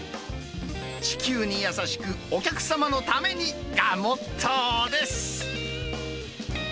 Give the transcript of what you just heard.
地球に優しく、お客様のためにがモットーです。